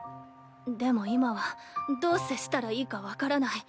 でも今はどう接したらいいか分からない。